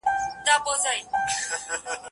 که مي دوی نه وای وژلي دوی وژلم